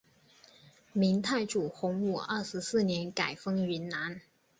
明太祖洪武二十四年改封云南。